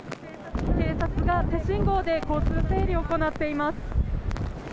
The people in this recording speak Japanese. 警察が手信号で交通整理を行っています。